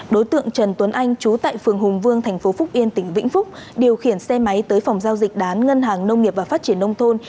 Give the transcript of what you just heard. đối tượng trần tuấn anh chú tại phường hùng vương tp phúc yên tỉnh vĩnh phúc điều khiển xe máy tới phòng giao dịch đán ngân hàng nông nghiệp và phát triển nông thôn